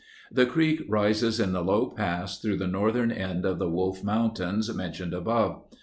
The creek rises in the low pass through the northern end of the Wolf Mountains mentioned above.